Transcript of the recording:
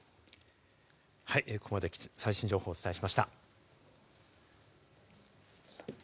ここまで最新情報をお伝えしました。